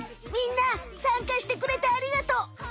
みんなさんかしてくれてありがとう。